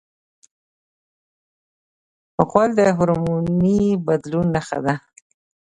غول د هورموني بدلون نښه ده.